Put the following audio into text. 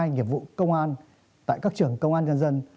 nghiệp vụ công an tại các trường công an nhân dân